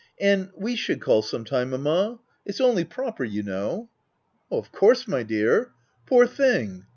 And we should call some time, mamma ; its only proper, you know/' H Of course, my dear. Poor thing